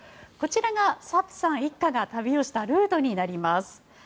こちらがサップさん一家が旅をしたルートになります。